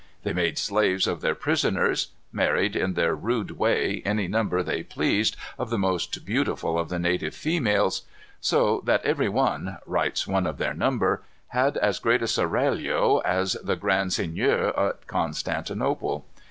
They made slaves of their prisoners; married, in their rude way any number they pleased of the most beautiful of the native females; "so that every one," writes one of their number, "had as great a seraglio as the Grand Seignior at Constantinople.